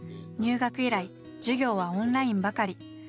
入学以来授業はオンラインばかり。